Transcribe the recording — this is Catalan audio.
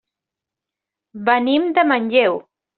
Venim de Manlleu.